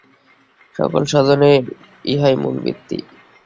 সকল সাধনের ইহাই মূল ভিত্তি।